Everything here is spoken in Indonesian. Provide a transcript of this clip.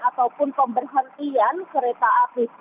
ataupun pemberhentian kereta api